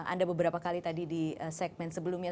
anda beberapa kali tadi di segmen sebelumnya